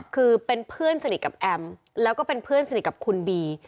คือเป็นเพื่อนสนิทกับแอมแล้วก็เป็นเพื่อนสนิทกับคุณบี